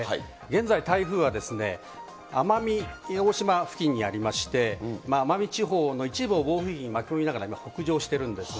現在、台風は奄美大島付近にありまして、奄美地方の一部を暴風域に巻き込みながら今、北上してるんです。